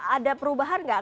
ada perubahan nggak